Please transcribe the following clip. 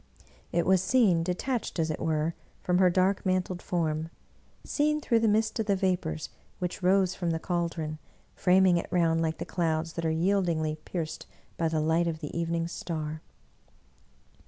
It was seen, de tached, as it were, from her dark mantled form; seen through the mist of the vapors which rose from the caldron, framing it round like the clouds that are yieldingly pierced by the light of the evening star.